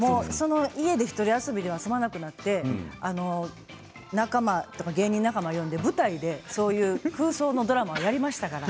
家で１人遊びでは済まなくなって仲間とか、芸人仲間を呼んで舞台でそういう空想のドラマをやりましたから。